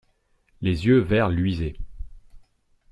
Les yeux verts luisaient.